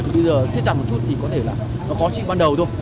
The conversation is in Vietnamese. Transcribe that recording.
thì bây giờ siết chặt một chút thì có thể là nó khó chịu ban đầu thôi